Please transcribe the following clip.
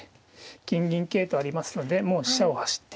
金銀桂とありますのでもう飛車を走って。